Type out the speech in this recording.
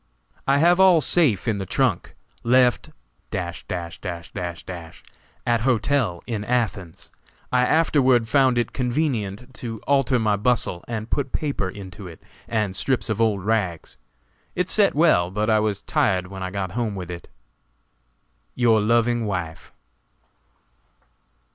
"I have all safe in the trunk. Left at hotel in Athens. I afterward found it convenient to alter my bustle and put paper into it and strips of old rags. It set well, but I was tired when I got home with it. "Your loving wife."